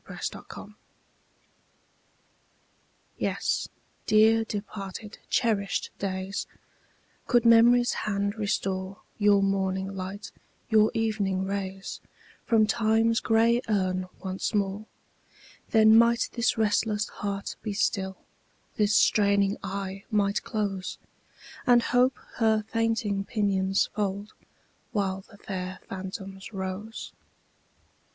DEPARTED DAYS YES, dear departed, cherished days, Could Memory's hand restore Your morning light, your evening rays, From Time's gray urn once more, Then might this restless heart be still, This straining eye might close, And Hope her fainting pinions fold, While the fair phantoms rose.